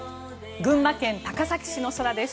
群馬県高崎市の空です。